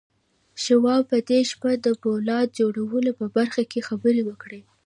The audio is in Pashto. شواب په دې شپه د پولاد جوړولو په برخه کې خبرې وکړې.